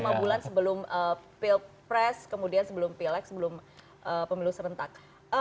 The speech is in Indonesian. jadi lima bulan sebelum pilpres kemudian sebelum pileg sebelum pemilu serentak